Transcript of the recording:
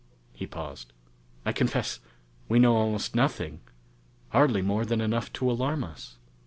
He paused. "I confess, we know almost nothing hardly more than enough to alarm us."